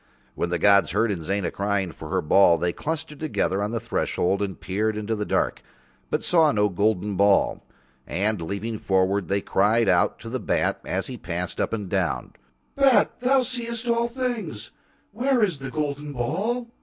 When the gods heard Inzana crying for her ball They clustered together on the threshold and peered into the dark, but saw no golden ball. And leaning forward They cried out to the bat as he passed up and down: "Bat that seest all things, where is the golden ball?"